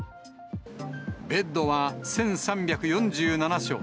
ベッドは１３４７床。